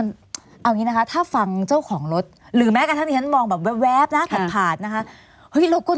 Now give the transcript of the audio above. แล้วมันก็สะสมมาเรื่อยเพราะมันเริ่มตั้งแต่ปี๕๒ใช่ไหม